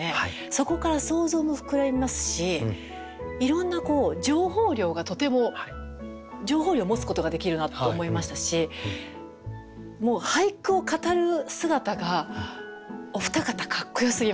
そこから想像も膨らみますしいろんな情報量がとても情報量を持つことができるなと思いましたしもう俳句を語る姿がお二方かっこよすぎます。